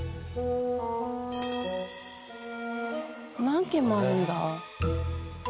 何軒もあるんだ。